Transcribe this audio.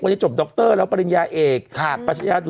วันนี้จบดรแล้วปริญญาเอกปริญญาดุษฎีปริญญาเด็ก